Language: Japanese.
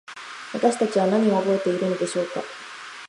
私たちは何を覚えているのでしょうか。